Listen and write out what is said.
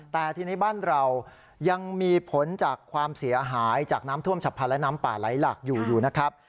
แต่ทีนี้บ้านเรายังมีผลจากความเสียหายจากน้ำท่วมฉับพันธ์และน้ำป่าไหลหลากอยู่อยู่นะครับ